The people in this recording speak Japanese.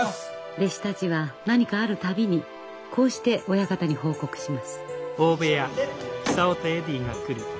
弟子たちは何かある度にこうして親方に報告します。